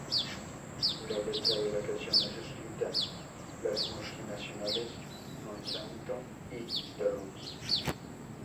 La letra de la canción es crítica las multinacionales Monsanto y Starbucks.